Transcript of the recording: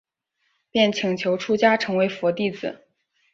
便请求出家成为佛弟子。